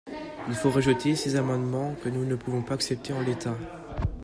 Il faut rejeter ces amendements que nous ne pouvons pas accepter en l’état.